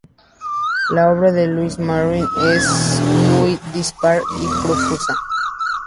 La obra de Louis Marin, es muy dispar y profusa.